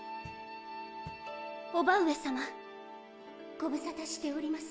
伯母上さまご無沙汰しております